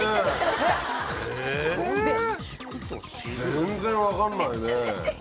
全然分かんないね。